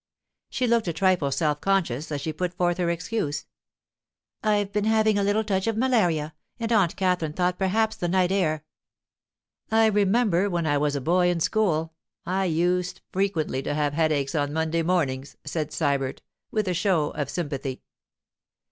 She looked a trifle self conscious as she put forth her excuse. 'I've been having a little touch of malaria, and Aunt Katherine thought perhaps the night air——' 'I remember, when I was a boy in school, I used frequently to have headaches on Monday mornings,' said Sybert, with a show of sympathy.